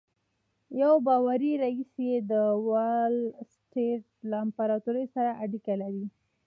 یو باوري ريیس یې د وال سټریټ له امپراتور سره اړیکې لري